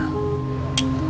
kita bisa berhubungan